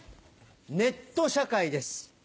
ネット社会です。